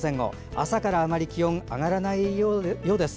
朝から気温あまり上がらないようです。